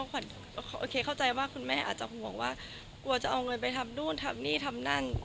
ขวัญเข้าใจว่าคุณแม่ก็ห่วงว่าจะเอาเงินไปทำนี่ทำนั่น